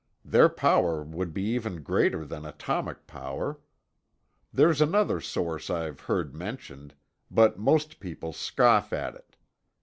Their power would be even greater than atomic power. There's another source I've heard mentioned, but most people scoff at it.